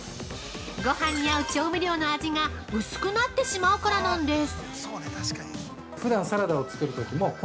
ごはんに合う調味料の味が薄くなってしまうからなんです。